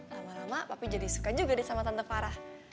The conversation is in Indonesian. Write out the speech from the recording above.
lama lama papi jadi suka juga deh sama tante farah